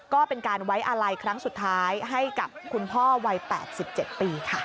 ก็เป็นการไว้อาลัยครั้งสุดท้ายให้กับคุณพ่อวัย๘๗ปีค่ะ